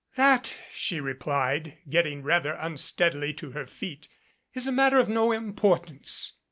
"That," she replied, getting rather unsteadily to her feet, "is a matter of no importance."